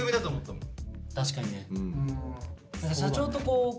確かにね。